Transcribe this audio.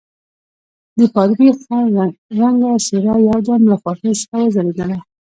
د پادري خړ رنګه څېره یو دم له خوښۍ څخه وځلېدله.